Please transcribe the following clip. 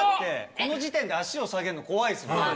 この時点で足を下げるの怖いっすもん。